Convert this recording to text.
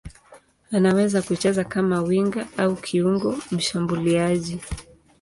Anaweza kucheza kama winga au kiungo mshambuliaji.